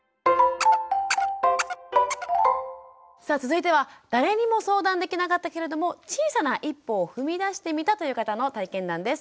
さあ続いては誰にも相談できなかったけれども小さな一歩を踏み出してみたという方の体験談です。